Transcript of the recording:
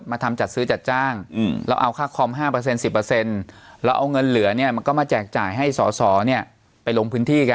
มาทำจัดซื้อจัดจ้าง